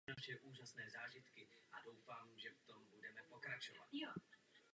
Nejbližšími sousedy jsou na západě Saúdská Arábie a na jihovýchodě Katar.